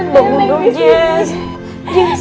bangun dong jess